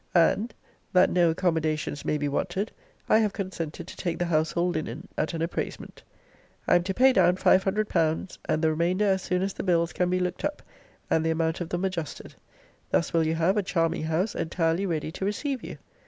And, that no accommodations may be wanted, I have consented to take the household linen at an appraisement. I am to pay down five hundred pounds, and the remainder as soon as the bills can be looked up, and the amount of them adjusted. Thus will you have a charming house entirely ready to receive you.